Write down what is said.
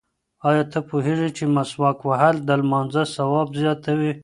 ایا ته پوهېږې چې مسواک وهل د لمانځه ثواب زیاتوي؟